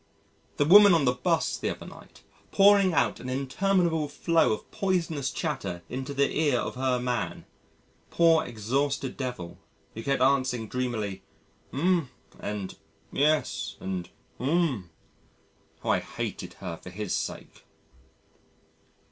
The woman on the 'bus the other night pouring out an interminable flow of poisonous chatter into the ear of her man poor, exhausted devil who kept answering dreamily "Oom" and"Yes" and "Oom" how I hated her for his sake!